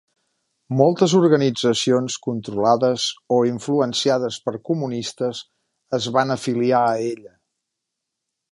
Moltes organitzacions controlades o influenciades per comunistes es van afiliar a ella.